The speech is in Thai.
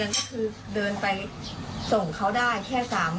แล้วตอนนี้ศาลให้ประกันตัวออกมาแล้ว